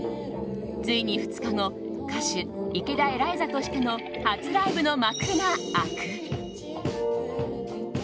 ついに２日後歌手・池田エライザとしての初ライブの幕が開く。